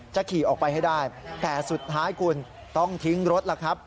ขี่ออกไปให้ได้แต่สุดท้ายคุณต้องทิ้งรถล่ะครับ